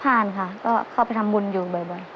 ผ่านค่ะก็เข้าไปทำบุญอยู่บ่อย